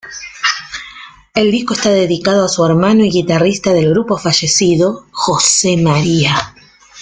El disco está dedicado a su hermano y guitarrista del grupo fallecido Jose María.